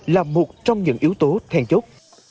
là một trong những yếu tố thèn chốt